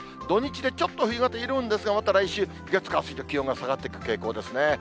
土日でちょっと冬型緩むんですが、また来週、月、火、水と気温が下がっていく傾向ですね。